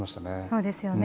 そうですよね。